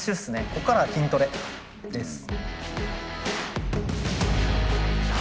こっからは筋トレです。